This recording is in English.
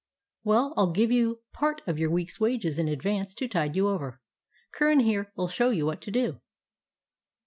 "Well, I 'll give you part of your week's wages in advance to tide you over. Curran here 'll show you what to do."